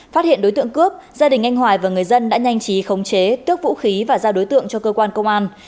phát hiện đối tượng cướp gia đình anh hoài và người dân đã nhanh chí khống chế tước vũ khí và giao đối tượng cho cơ quan công an